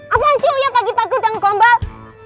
apaan cuy ya pagi pagi udah ngombal